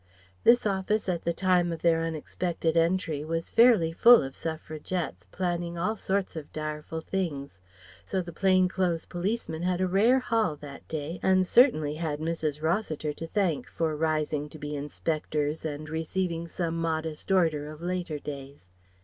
This office at the time of their unexpected entry was fairly full of Suffragettes planning all sorts of direful things. So the plain clothes policemen had a rare haul that day and certainly had Mrs. Rossiter to thank for rising to be Inspectors and receiving some modest Order of later days.